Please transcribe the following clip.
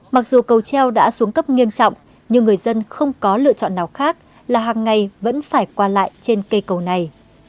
mặc dù cầu treo đã xuống cấp nghiêm trọng nhưng người dân không có lựa chọn nào khác là hàng ngày vẫn phải qua lại trên cây cầu này